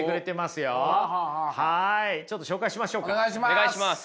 お願いします。